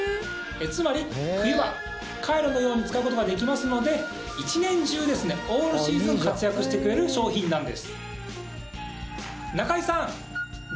つまり冬場、カイロのように使うことができますので１年中、オールシーズン活躍してくれる商品なんです。